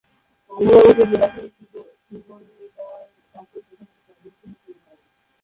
অমরাবতী জেলা থেকে তুলো নিয়ে যাওয়ার কাজেই প্রধানত ব্যবহৃত হত এই রেল লাইন।